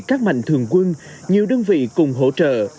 các mạnh thường quân nhiều đơn vị cùng hỗ trợ